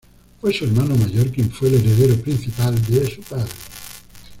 Fue su hermano mayor quien fue el heredero principal de su padre.